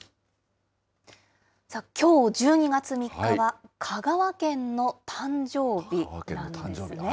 きょう１２月３日は、香川県の誕生日なんですね。